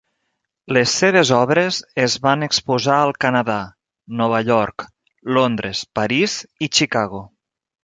Les seves obres es van exposar al Canadà, Nova York, Londres, París i Chicago.